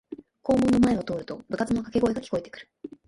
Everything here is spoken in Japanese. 校門の前を通ると部活のかけ声が聞こえてくる